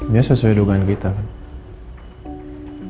ya sesuai dugaan kita kan